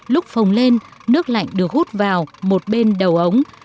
lúc phồng lên nước lạnh được hút vào một bên đầu ống